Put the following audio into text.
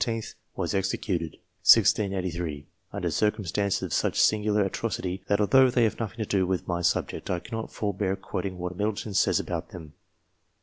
was executed, 1683, under circumstances of such singular atrocity, that, although they have nothing to do with my subject, I cannot forbear quoting what Middle ton says about them.